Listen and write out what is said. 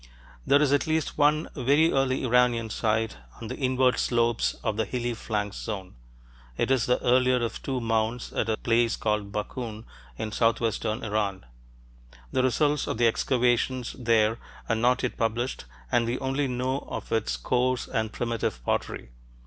There is at least one very early Iranian site on the inward slopes of the hilly flanks zone. It is the earlier of two mounds at a place called Bakun, in southwestern Iran; the results of the excavations there are not yet published and we only know of its coarse and primitive pottery.